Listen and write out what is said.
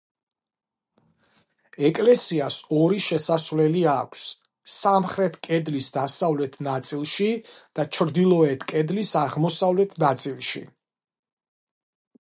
ეკლესიას ორი შესასვლელი აქვს: სამხრეთ კედლის დასავლეთ ნაწილში და ჩრდილოეთ კედლის აღმოსავლეთ ნაწილში.